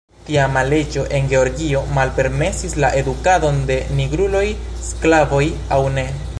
Tiama leĝo en Georgio malpermesis la edukadon de nigruloj, sklavoj aŭ ne.